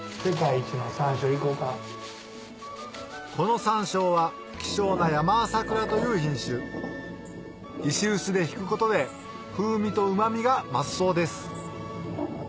この山椒は希少な山朝倉という品種石臼でひくことで風味とうま味が増すそうです